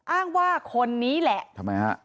อ้างว่าคนนี้แหละทำไมฮะ